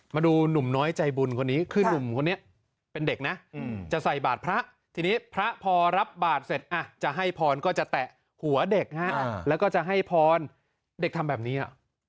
มาดูหนุ่มน้อยใจบุญคนนี้คือนุ่มคนนี้เป็นเด็กนะจะใส่บาทพระทีนี้พระพอรับบาทเสร็จจะให้พรก็จะแตะหัวเด็กแล้วก็จะให้พรเด็กทำแบบนี้